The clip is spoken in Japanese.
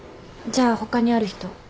じゃあ他にある人。